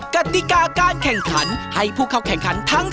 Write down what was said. กติกาการแข่งขันให้ผู้เข้าแข่งขันทั้ง๓